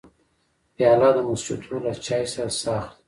پیاله د مسجدو له چای سره ساه اخلي.